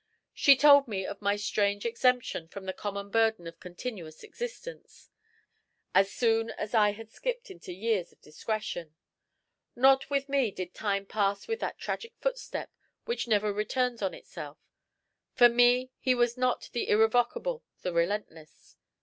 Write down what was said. She told me of my strange exemption from the common burden of continuous existence, as soon as I had skipped into years of discretion. Not for me did Time pass with that tragic footstep which never returns on itself; for me he was not the irrevocable, the relentless.